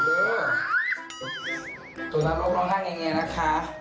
คุณน้องน้องตะโลกน้องเฉินอย่างไรนะคะ